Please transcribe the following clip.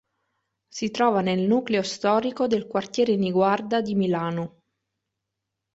Si trova nel nucleo storico del quartiere Niguarda di Milano.